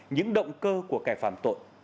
những động cơ của kẻ phạm tội